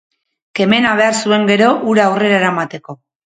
Kemena behar zuen gero hura aurrera eramateko.